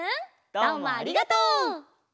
どうもありがとう！